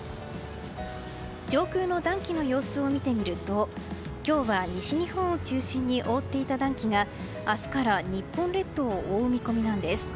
上空の暖気の様子を見てみると今日は西日本を中心に覆っていた暖気が明日から日本列島を覆う見込みなんです。